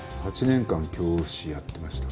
８年間教師やってました。